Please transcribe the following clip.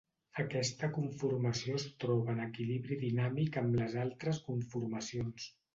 Aquesta conformació es troba en equilibri dinàmic amb les altres conformacions.